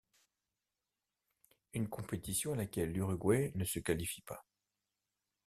Une compétition à laquelle l'Uruguay ne se qualifie pas.